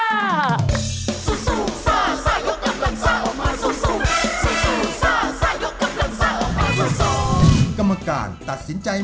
สุดซู่ซ่ายกกำลังซ่าออกมาสูดซู่